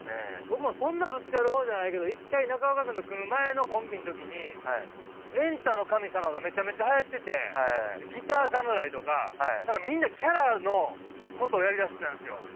僕もそんなぶつかる方じゃないけど一回中岡君と組む前のコンビの時に「エンタの神様」がめちゃめちゃはやっててギター侍とか何かみんなキャラのことをやりだしてたんですよ。